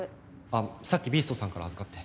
あっさっきビーストさんから預かって。